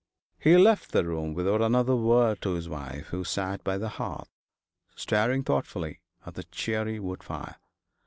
He left the room without another word to his wife, who sat by the hearth staring thoughtfully at the cheery wood fire.